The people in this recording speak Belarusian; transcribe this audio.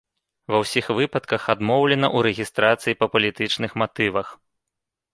Ва ўсіх выпадках адмоўлена ў рэгістрацыі па палітычных матывах.